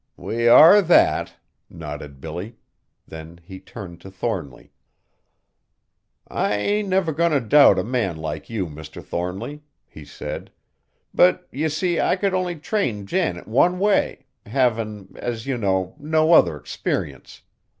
"We are that!" nodded Billy. Then he turned to Thornly. "I ain't never goin' t' doubt a man like you, Mr. Thornly," he said, "but ye see I could only train Janet one way, havin', as ye know, no other 'sperience.